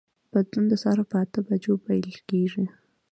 بدلون د سهار په اته بجو پیل کېږي.